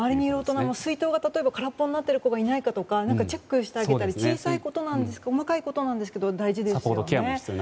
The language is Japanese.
水筒が空っぽになっていない子がいないかとかチェックしてあげたり細かいことなんですけど大事ですよね。